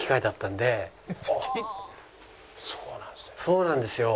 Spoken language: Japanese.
そうなんですね。